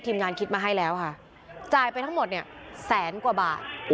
งานคิดมาให้แล้วค่ะจ่ายไปทั้งหมดเนี่ยแสนกว่าบาท